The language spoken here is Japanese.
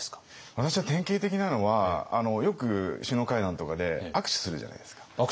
私は典型的なのはよく首脳会談とかで握手するじゃないですか。